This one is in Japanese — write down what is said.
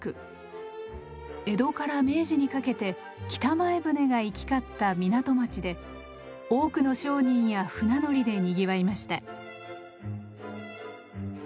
江戸から明治にかけて北前船が行き交った港町で多くの商人や船乗りでにぎわいました。